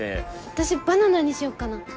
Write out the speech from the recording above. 私バナナにしよっかな。